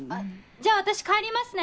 じゃあ私帰りますね。